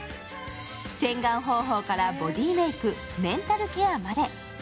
洗顔方法からボディーメーク、メンタルケアまで。